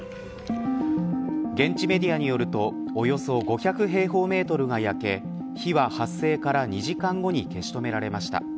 現地メディアによるとおよそ５００平方メートルが焼け火は発生から２時間後に消し止められました。